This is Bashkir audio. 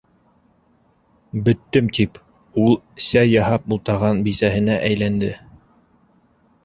Бөттөм тип, - ул сәй яһап ултырған бисәһенә әйләнде.